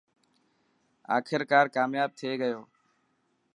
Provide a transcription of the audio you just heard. آخرڪار ڪامياب ٿي گيو.